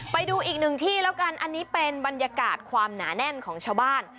ไปดูอีกหนึ่งที่แล้วกันอันนี้เป็นบรรยากาศความหนาแน่นของชาวบ้าน